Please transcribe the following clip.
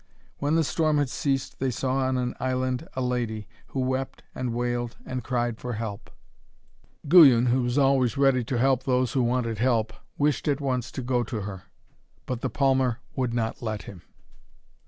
When the storm had ceased they saw on an island a lady, who wept and wailed and cried for help. Guyon, who was always ready to help those who wanted help, wished at once to go to her. But the palmer would not let him.